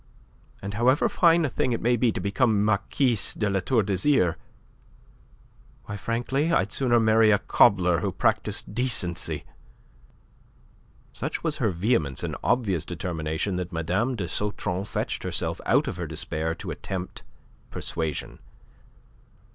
And however fine a thing it may be to become Marquise de La Tour d'Azyr, why, frankly, I'd sooner marry a cobbler who practised decency." Such was her vehemence and obvious determination that Mme. de Sautron fetched herself out of her despair to attempt persuasion.